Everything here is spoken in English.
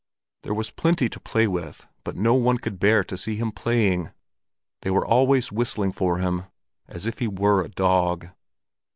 There was plenty to play with, but no one could bear to see him playing; they were always whistling for him as if he were a dog.